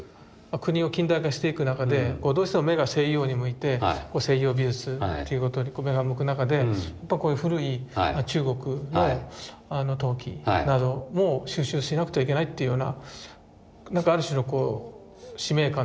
国を近代化していく中でどうしても目が西洋に向いて西洋美術っていうことに目が向く中でやっぱこういう古い中国の陶器なども収集しなくてはいけないっていうようななんかある種のこう使命感というかそういうものが。